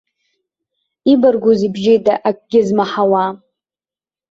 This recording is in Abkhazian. Ибаргузеи бжьыда акагьы змаҳауа!